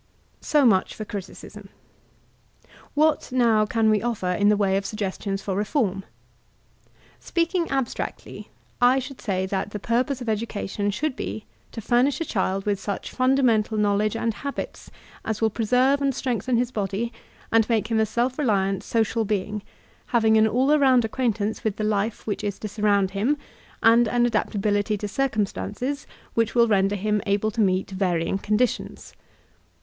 So much for critictsm. What, now, can we offer in the way of suggestions for reform? Speaking abstractly, I should say that the pur pose of education should be to furnish a child with such fundamental knowledge and habits as will preserve and strengthen his body, and make him a self reliant social being, having an all around acquaintance with the life which is to surround him and an adaptability to circum stances which will render him able to meet varying con ditions.